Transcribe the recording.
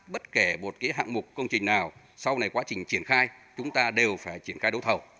cái hạng mục công trình nào sau này quá trình triển khai chúng ta đều phải triển khai đấu thầu